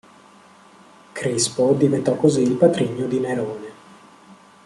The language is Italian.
Crispo diventò così il patrigno di Nerone.